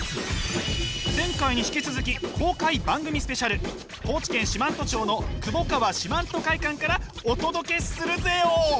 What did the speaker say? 前回に引き続き高知県四万十町の窪川四万十会館からお届けするぜよ！